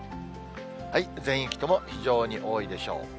全域とも非常に多いでしょう。